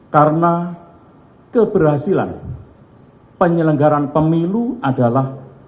karena keberhasilan penyelenggaran pemilu adalah